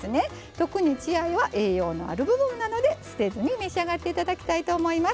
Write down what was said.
特に血合いは栄養のある部分なので捨てずに召し上がっていただきたいと思います。